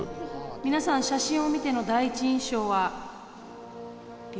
皆さん写真を見ての第一印象は？